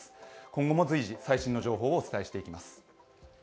今後も随時、最新の情報をお伝えしていきます。